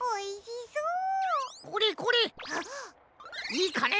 いいかね？